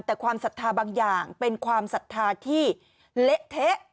แต่ความศรัทธาบางอย่างเป็นความศรัทธาที่เละเทะ